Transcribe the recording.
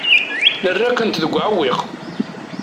Nerra-kent deg uɛewwiq.